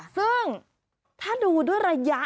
ซึ่งถ้าดูด้วยระยะ